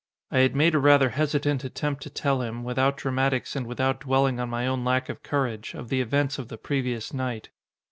I had made a rather hesitant attempt to tell him, without dramatics and without dwelling on my own lack of courage, of the events of the previous night.